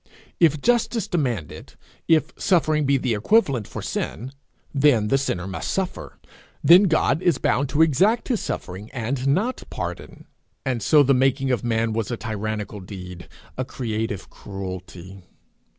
If justice demand it, if suffering be the equivalent for sin, then the sinner must suffer, then God is bound to exact his suffering, and not pardon; and so the making of man was a tyrannical deed, a creative cruelty.